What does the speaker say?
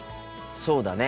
そうだね。